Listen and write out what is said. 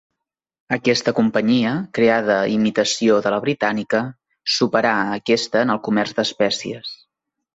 Aquesta companyia, creada a imitació de la britànica, superà a aquesta en el comerç d'espècies.